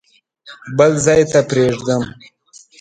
بل ځای ته پرېږدم.